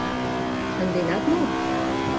Шынденат мо?